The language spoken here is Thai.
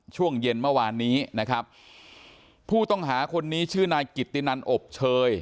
ช่วงเย็นเมื่อวานนี้นะครับผู้ต้องหาคนนี้ชื่อนายกิตตินันอบเชย